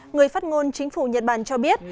người phát ngôn chính phủ nhật bản cho biết